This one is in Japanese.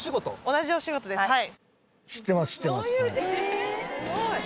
同じお仕事ですはい。